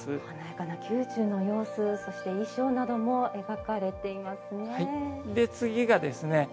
華やかな宮中の様子そして衣装なども描かれていますね。